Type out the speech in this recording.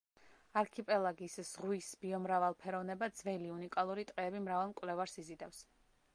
არქიპელაგის ზღვის ბიომრავალფეროვნება, ძველი, უნიკალური ტყეები მრავალ მკვლევარს იზიდავს.